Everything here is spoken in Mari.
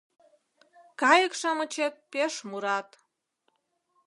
Кайык-шамычет пеш мурат: